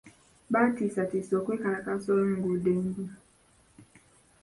Batiisatiisa okwekalakaasa olw'enguudo embi.